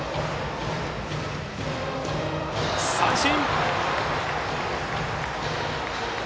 三振！